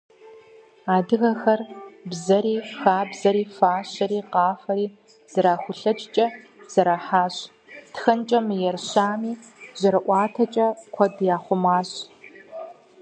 Адыгэхэр бзэри, хабзэри, фащэри, къафэри зэрахулъэкӏкӏэ зэрахьащ, тхэнкӏэ мыерыщами, жьэрыӏуатэкӏэ куэд яхъумащ.